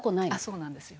そうなんですよ。